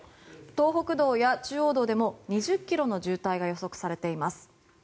東北道や中央道でも２０ｋｍの渋滞が予測されています。